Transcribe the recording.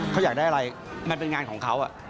เขาอยากได้อะไรมันเป็นงานของเขา